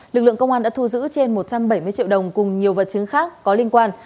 lực lượng công an đã thu giữ trên một trăm bảy mươi triệu đồng cùng nhiều vật chứng khác có liên quan